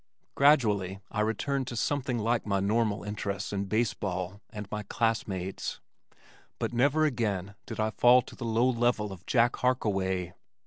Gradually I returned to something like my normal interests in baseball and my classmates, but never again did I fall to the low level of Jack Harkaway.